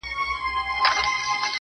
اوس ژاړي، اوس کتاب ژاړي، غزل ژاړي~